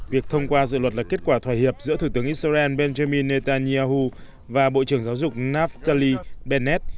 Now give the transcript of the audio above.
việc thông qua dự luật là kết quả thòa hiệp giữa thủ tướng israel benjamin netanyahu và bộ trưởng giáo dục naftali bennett